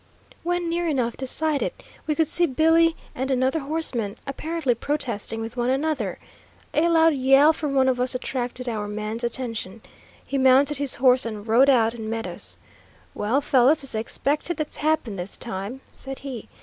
When near enough to sight it, we could see Billy and another horseman apparently protesting with one another. A loud yell from one of us attracted our man's attention. He mounted his horse and rode out and met us. "Well, fellows, it's the expected that's happened this time," said he.